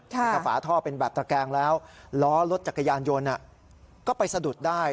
ถ้าฝาท่อเป็นแบบตระแกงแล้วล้อรถจักรยานยนต์ก็ไปสะดุดได้